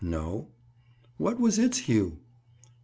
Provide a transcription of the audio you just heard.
"No." "What was its hue?"